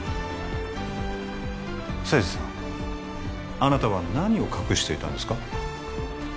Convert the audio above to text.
清二さんあなたは何を隠していたんですか？